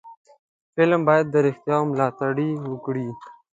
فلم باید د رښتیاو ملاتړ وکړي